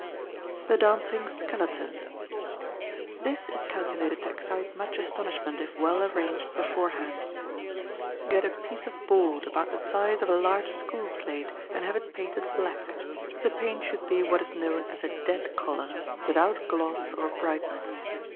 The Dancing Skeleton.—This is calculated to excite much astonishment, if well arranged beforehand. Get a piece of board about the size of a large school slate, and have it painted black. The paint should be what is known as a dead color, without gloss or brightness.